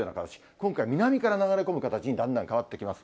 今回、南から流れ込む形にだんだん変わっていきます。